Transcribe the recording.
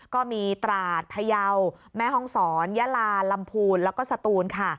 ก็มีตราดพยาวแม่ฮองศรยะลาลำพูนแล้วก็สตูน